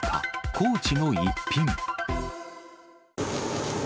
高知の逸品。